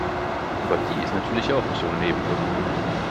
Aber die ist natürlich auch nicht ohne Nebenwirkungen.